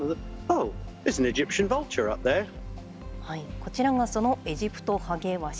こちらが、そのエジプトハゲワシ。